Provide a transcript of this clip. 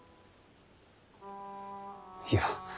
いや。